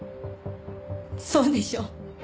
そうでしょ？